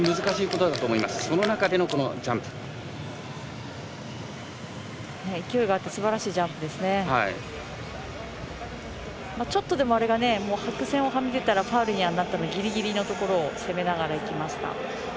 ちょっとでも、あれが白線をはみ出たらファウルにはなってしまうのでギリギリのところを攻めながらいきました。